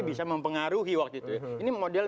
bisa mempengaruhi waktu itu ya ini model